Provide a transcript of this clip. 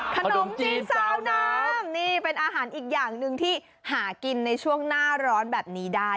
ขนมจีนสาวน้ำนี่เป็นอาหารอีกอย่างหนึ่งที่หากินในช่วงหน้าร้อนแบบนี้ได้